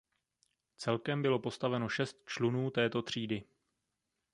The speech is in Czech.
Celkem bylo postaveno šest člunů této třídy.